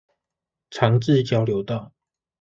長治交流道